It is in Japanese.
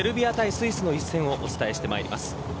スイスの一戦をお伝えしてまいります。